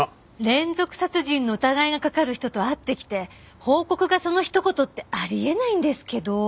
連続殺人の疑いがかかる人と会ってきて報告がそのひと言ってあり得ないんですけど。